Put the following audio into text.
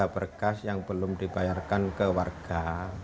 delapan puluh tiga berkas yang belum dibayarkan ke warga